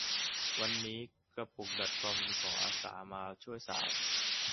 วันนี้กระปุกดอทคอมจึงขออาสามาช่วยสาว